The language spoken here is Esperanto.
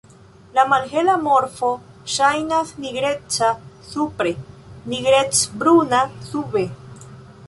La malhela morfo ŝajnas nigreca supre, nigrecbruna sube.